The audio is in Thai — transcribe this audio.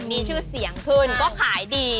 มีชื่อเสียงขึ้นก็ขายดี